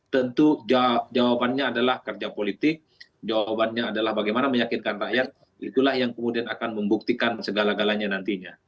tentu jawabannya adalah kerja politik jawabannya adalah bagaimana meyakinkan rakyat itulah yang kemudian akan membuktikan segala galanya nantinya